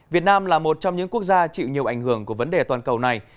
việt nam là một trong những quốc gia chịu nhiều ảnh hưởng của vấn đề toàn cầu này